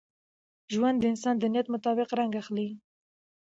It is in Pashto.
ژوند د انسان د نیت مطابق رنګ اخلي.